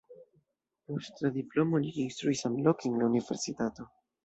Post la diplomo li ekinstruis samloke en la universitato.